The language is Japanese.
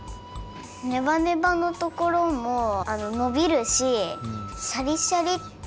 ネバネバのところものびるしシャリシャリってかんじがした。